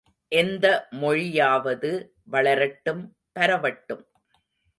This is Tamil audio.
எந்த மொழியாவது வளரட்டும் பரவட்டும்.